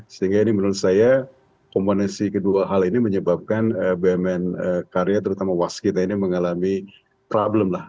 sehingga ini menurut saya komponen kedua hal ini menyebabkan bumn karya terutama waskita ini mengalami problem lah